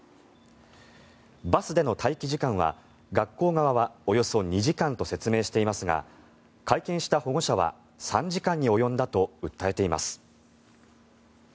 バスでの待機時間は、学校側はおよそ２時間と説明していますが会見した保護者は３時間に及んだと訴えています。